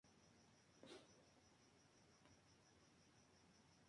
Realizó sus estudios en castellano y euskera en Pamplona y San Sebastián.